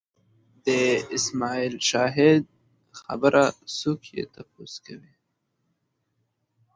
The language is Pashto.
د اسماعیل شاهد خبره څوک یې تپوس کوي